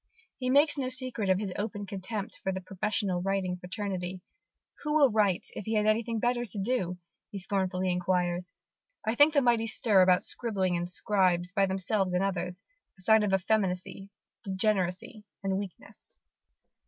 He makes no secret of his open contempt for the professional writing fraternity. "Who would write, if he had anything better to do?" he scornfully enquires, "I think the mighty stir made about scribbling and scribes, by themselves and others, a sign of effeminacy, degeneracy, and weakness."